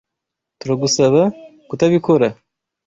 Turagusaba kutabikora.